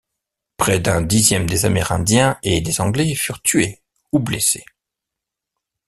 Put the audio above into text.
Près d'un dixième des Amérindiens et des Anglais furent tués ou blessés.